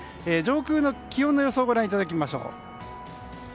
上空の気温の予想をご覧いただきましょう。